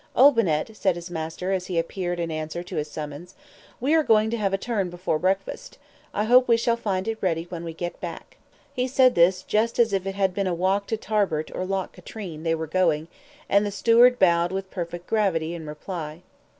"Olbinett," said his master, as he appeared in answer to his summons, "we are going to have a turn before breakfast. I hope we shall find it ready when we come back." He said this just as if it had been a walk to Tarbert or Loch Katrine they were going, and the steward bowed with perfect gravity in reply.